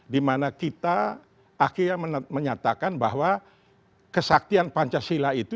di mana kita akhirnya menyatakan bahwa kesaktian pancasila itu